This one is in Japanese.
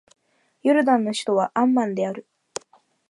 ヨルダンの首都はアンマンである